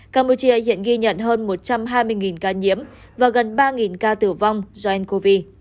campuchia hiện ghi nhận hơn một trăm hai mươi ca nhiễm và gần ba ca tử vong do ncov